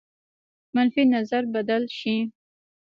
منفي نظر بدل شي.